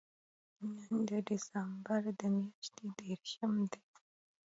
نن د دېسمبر میاشتې درېرشم دی